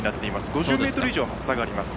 ５０ｍ以上差があります。